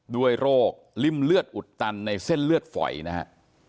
ด้วยโรคริ่มเลือดอุดตันในเส้นเลือดฝอยนะฮะ